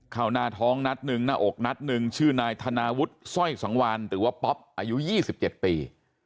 เข้าหน้าท้องนัดหนึ่งหน้าอกนัดหนึ่งชื่อนายธนาวุฒิสร้อยอีกสองวันถือว่าป๊อปอายุยี่สิบเจ็ดปี